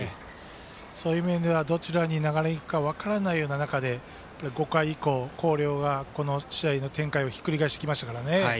そういう意味ではどちらに流れがいくか分からない中で５回以降、広陵はこの試合の展開をひっくり返してきましたからね。